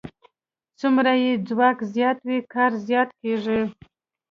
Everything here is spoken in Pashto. څومره چې ځواک زیات وي کار زیات کېږي.